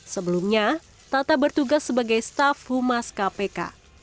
sebelumnya tata bertugas sebagai staf humas kpk